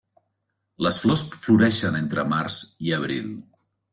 Les flors floreixen entre març i abril.